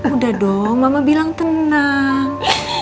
udah dong mama bilang tenang